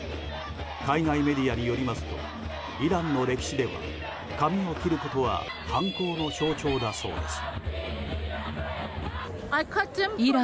海外メディアによりますとイランの歴史では髪を切ることは反抗の象徴だそうです。